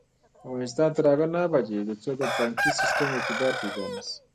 افغانستان تر هغو نه ابادیږي، ترڅو د بانکي سیستم اعتبار پیدا نشي.